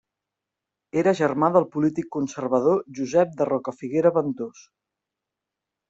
Era germà del polític conservador Josep de Rocafiguera Ventós.